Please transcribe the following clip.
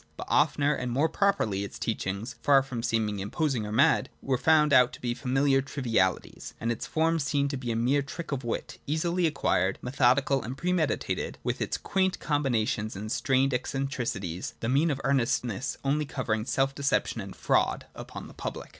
But oftener and more properly its teachings — far from seeming im posing or mad — were found out to be familiar trivialities, and its form seen to be a mere trick of wit, easily acquired, methodical and premeditated, with its quaint combinations and strained eccentricities, — the mien of earnestness only covering self deception and fraud upon the public.